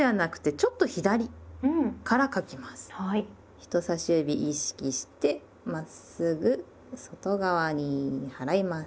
人さし指意識してまっすぐ外側に払います。